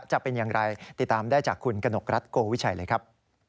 จะเป็นอย่างไรติดตามได้จากคุณกนกรัฐโกวิชัยเลยครับ